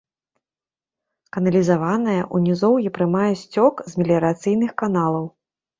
Каналізаваная, у нізоўі прымае сцёк з меліярацыйных каналаў.